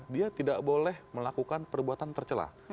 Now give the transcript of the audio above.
dia tidak boleh melakukan perbuatan tercelah